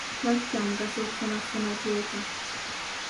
Lwaki kya mugaso okusoma ssemateeka?